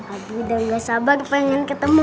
abi udah gak sabar pengen ketemu